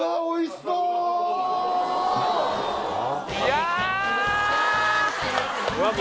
おいしそう！